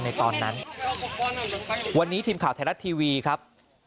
ในตอนนั้นวันนี้ทีมข่าวไทยรัฐทีวีครับ